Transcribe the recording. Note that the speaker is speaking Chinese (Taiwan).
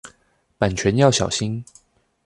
版權要小心